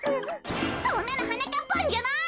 そんなのはなかっぱんじゃない！